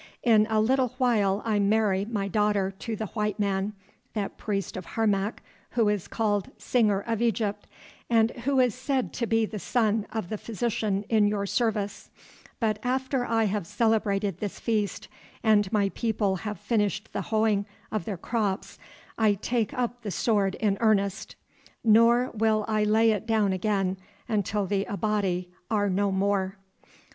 In a little while I marry my daughter to the white man, that priest of Harmac who is called Singer of Egypt, and who is said to be the son of the physician in your service, but after I have celebrated this feast and my people have finished the hoeing of their crops, I take up the sword in earnest, nor will I lay it down again until the Abati are no more.